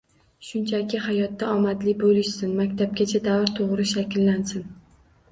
Shunchaki hayotda omadli boʻlishsin, maktabgacha davrda toʻgʻri shakllansin.